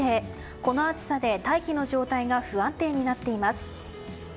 この暑さで大気の状態が不安定になっています。